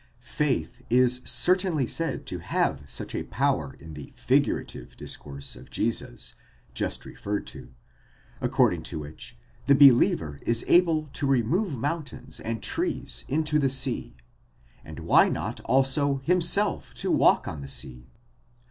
Faith is certainly said to have such a power in the figurative discourse of Jesus just referred to, according to which the believer is able to remove mountains and trees into the sea,—and why not also himself to walk on the sea?